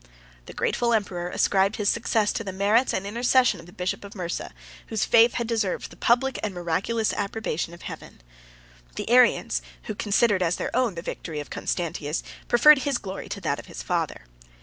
The grateful emperor ascribed his success to the merits and intercession of the bishop of Mursa, whose faith had deserved the public and miraculous approbation of Heaven. 87 The Arians, who considered as their own the victory of Constantius, preferred his glory to that of his father.